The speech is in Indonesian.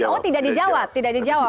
oh tidak dijawab tidak dijawab